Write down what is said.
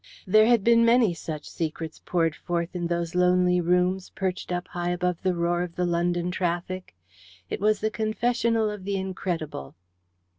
There had been many such secrets poured forth in those lonely rooms, perched up high above the roar of the London traffic. It was the Confessional of the incredible.